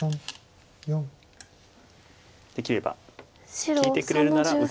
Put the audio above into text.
できれば利いてくれるなら。